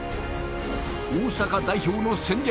大阪代表の戦略